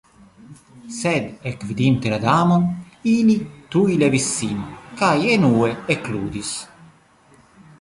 Sed ekvidinte la Damon, ili tuj levis sin kaj enue ekludis.